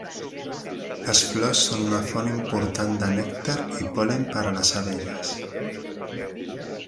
Les flors són una font important de nèctar i pol·len per a les abelles.